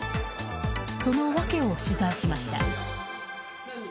その訳を取材しました。